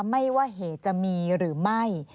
ไม่ว่าเหตุจะมีหรือไม่